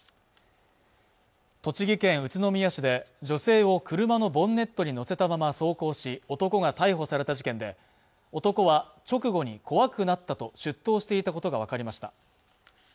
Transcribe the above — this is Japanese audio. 栃木県宇都宮市で女性を車のボンネットに乗せたまま走行し男が逮捕された事件で男は直後に怖くなったと出頭していたことが分かりました